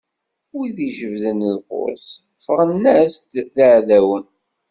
Wid ijebbden lqus ffɣen-as-d d iɛdawen.